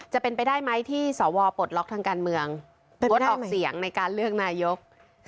จะเป็นไปได้ไหมที่สวปลดล็อกทางการเมืองงดออกเสียงในการเลือกนายก